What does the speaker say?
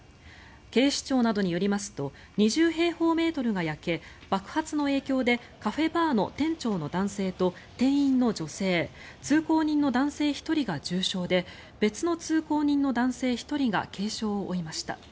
警視庁などによりますと２０平方メートルが焼け爆発の影響でカフェバーの店長の男性と店員の女性通行人の男性１人が重傷で別の通行人の男性１人が軽傷を負いました。